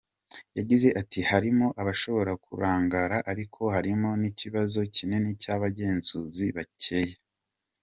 Yagize ati “ Harimo abashobora kurangara ariko harimo n’ikibazo kinini cy’abagenzuzi bakeya.